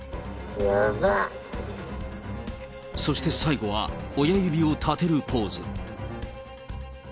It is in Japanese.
そして最後は親指を立てるポーズ。